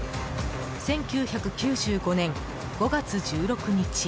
１９９５年５月１６日。